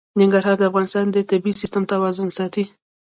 ننګرهار د افغانستان د طبعي سیسټم توازن ساتي.